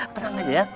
tenang aja ya